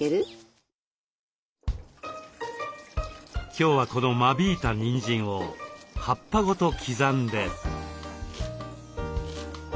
今日はこの間引いたにんじんを葉っぱごと刻んで。